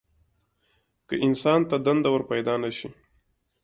که انسان ته دنده ورپیدا نه شي.